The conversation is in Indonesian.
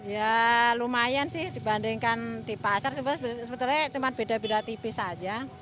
ya lumayan sih dibandingkan di pasar sebenarnya cuma beda beda tipis saja